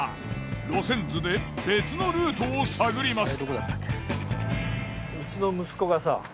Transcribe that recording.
路線図で別のルートを探ります。